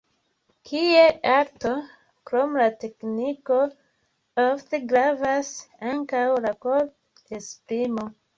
Kiel arto, krom la tekniko, ofte gravas ankaŭ la korpa esprimo.